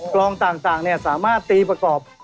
กลองต่างสามารถตีประกอบ